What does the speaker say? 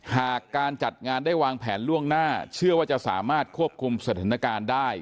หากการจัดงานได้วางแผนล่วงหน้าเชื่อว่าจะสามารถควบคุมสถานการณ์ได้